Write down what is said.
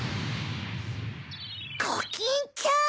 ・コキンちゃん！